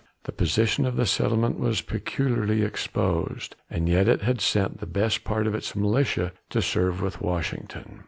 The position of the settlement was peculiarly exposed, and yet it had sent the best part of its militia to serve with Washington.